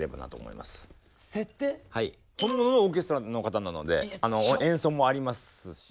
本物のオーケストラの方なので演奏もありますし。